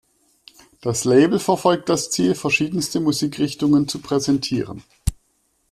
Das Label verfolgt das Ziel, verschiedenste Musikrichtungen zu präsentieren.